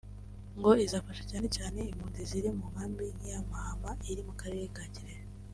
ngo izafasha cyane cyane impunzi ziri mu nkambi nk’iya Mahama iri mu Karere ka Kirehe